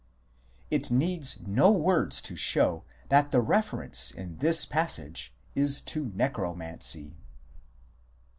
It needs no words to show that the reference in this passage is to Necromancy.